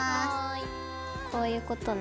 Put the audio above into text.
こういうことね。